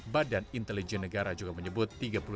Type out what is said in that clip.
badan intelijen negara juga menyebut